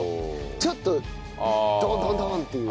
ちょっとドンドンドン！っていう。